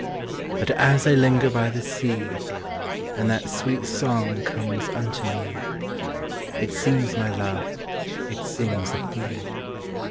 But as I linger by the sea, And that sweet song comes unto me, It seems, my love, it sings of thee.